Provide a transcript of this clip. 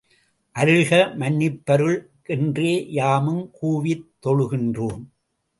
அருள்க மன்னிப்பருள் கென்றே யாமும் கூவித் தொழுகின்றோம்!